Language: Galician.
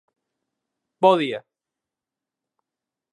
Bo día